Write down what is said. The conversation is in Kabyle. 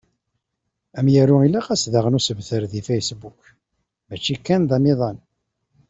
Amyaru ilaq-as daɣen usebter deg Facebook, mačči kan amiḍan.